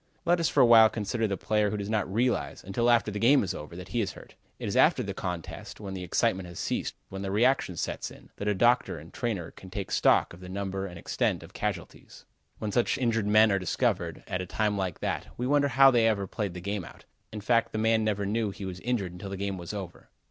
Let us for a while consider the player who does not realize, until after the game is over, that he is hurt. It is after the contest, when the excitement has ceased, when reaction sets in, that a doctor and trainer can take stock of the number and extent of casualties. When such injured men are discovered, at a time like that, we wonder how they ever played the game out. In fact the man never knew he was injured until the game was over.